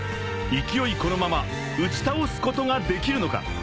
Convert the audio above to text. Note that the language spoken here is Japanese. ［勢いこのまま打ち倒すことができるのか！？］